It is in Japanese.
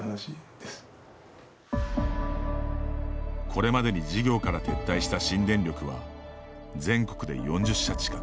これまでに事業から撤退した新電力は全国で４０社近く。